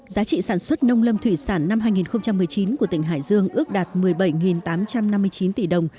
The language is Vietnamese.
giá trị sản xuất nông lâm thủy sản năm hai nghìn một mươi chín của tỉnh hải dương ước đạt một mươi bảy tám trăm năm mươi chín tỷ đồng